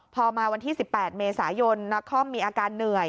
พอมาวันที่๑๘เมษายนนักคอมมีอาการเหนื่อย